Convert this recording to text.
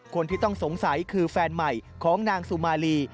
คนที่ต้องสงสัยคือแฟนใหม่ของนางสุมาลี